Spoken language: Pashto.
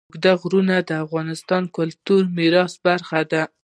اوږده غرونه د افغانستان د کلتوري میراث برخه ده.